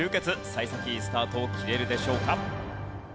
幸先いいスタートを切れるでしょうか？